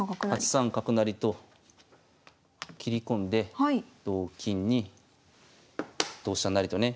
８三角成と切り込んで同金に同飛車成とね。